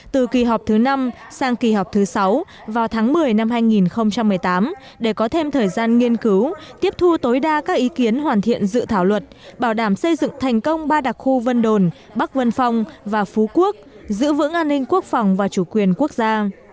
từ kỳ họp thứ năm sang kỳ họp thứ sáu vào tháng một mươi năm hai nghìn một mươi tám để có thêm thời gian nghiên cứu tiếp thu tối đa các ý kiến hoàn thiện dự thảo luật bảo đảm xây dựng thành công ba đặc khu vân đồn bắc vân phong và phú quốc giữ vững an ninh quốc phòng và chủ quyền quốc gia